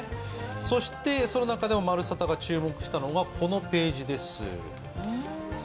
そしてその中でも「まるサタ」が注目したのがこのページです。